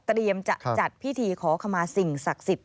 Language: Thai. จะจัดพิธีขอขมาสิ่งศักดิ์สิทธิ